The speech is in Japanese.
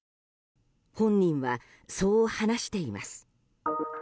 本人は、そう話しています。